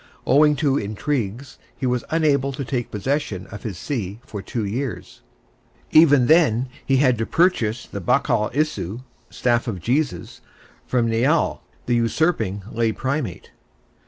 Owing to intrigues, he was unable to take possession of his see for two years; even then he had to purchase the Bachal Isu (Staff of Jesus) from Niall, the usurping lay primate.